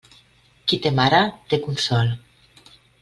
Qui té mare té consol.